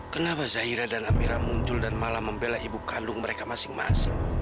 kenapa zahira dan amira muncul dan malah membela ibu kandung mereka masing masing